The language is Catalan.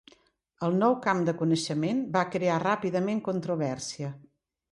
El nou camp de coneixement va crear ràpidament controvèrsia.